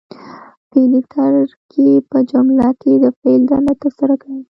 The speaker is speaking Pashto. فعلي ترکیب په جمله کښي د فعل دنده ترسره کوي.